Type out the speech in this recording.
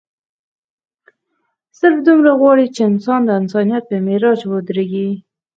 صرف دومره غواړي چې انسان د انسانيت پۀ معراج اودريږي